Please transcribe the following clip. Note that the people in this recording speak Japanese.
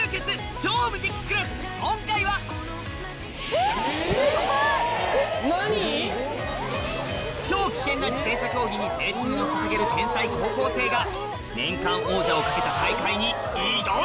『超無敵クラス』今回は何⁉超危険な自転車競技に青春を捧げる天才高校生が年間王者を懸けた大会に挑む！